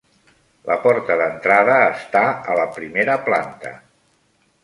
La porta d'entrada està a la primera planta.